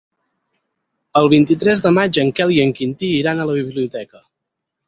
El vint-i-tres de maig en Quel i en Quintí iran a la biblioteca.